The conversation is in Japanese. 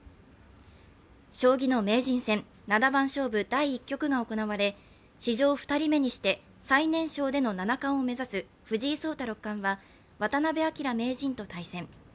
将棋の名人戦七番勝負第１局が行われ史上２人目にして最年少での七冠を目指す藤井聡太六冠は渡辺明名人と対戦。